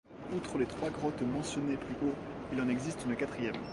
Outre les trois grottes mentionnées plus haut, il en existe une quatrième.